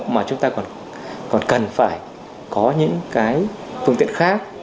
mà chúng ta còn cần phải có những cái phương tiện khác